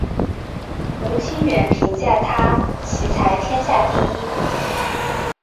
吴清源评价他棋才天下第一。